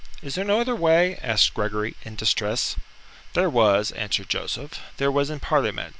"Is there no other way?" asked Gregory, in distress. "There was," answered Joseph. "There was in Parliament.